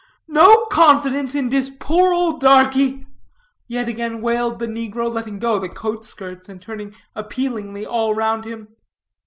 "No confidence in dis poor ole darkie," yet again wailed the negro, letting go the coat skirts and turning appealingly all round him.